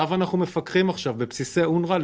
yang kita percaya sekarang di dasar unra